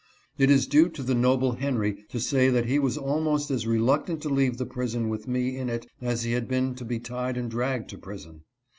It is due to the noble Henry to say that he was almost as reluctant to leave the prison with me in it as he had been to be tied and dragged to prison.